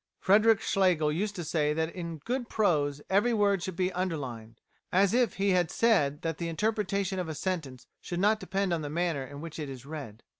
Frederic Schlegel used to say that in good prose every word should be underlined; as if he had said that the interpretation of a sentence should not depend on the manner in which it is read.